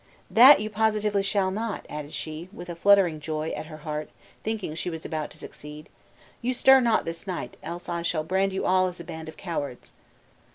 "That you positively shall not," added she, with a fluttering joy at her heart, thinking she was about to succeed; "you stir not this night, else I shall brand you all as a band of cowards."